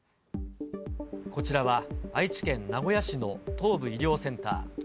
こちらは愛知県名古屋市の東部医療センター。